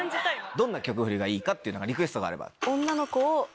どんな曲フリがいいかってリクエストがあれば。